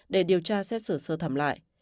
để điều tra xét xử sơ thẩm lại